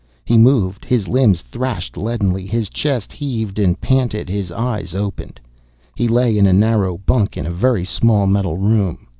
He moved. His limbs thrashed leadenly, his chest heaved and panted, his eyes opened. He lay in a narrow bunk in a very small metal room.